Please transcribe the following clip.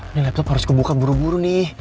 nih laptop harus kebuka buru buru nih